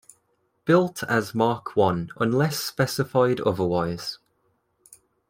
Built as Mark One unless specified otherwise.